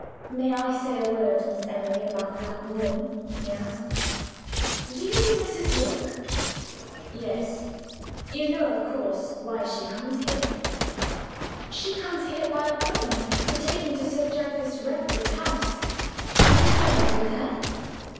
"May I say a word, Miss Emily, about that woman?" he asked "Do you mean Mrs. Rook?" "Yes. You know, of course, why she comes here?" "She comes here by appointment, to take me to Sir Jervis Redwood's house. Are you acquainted with her?"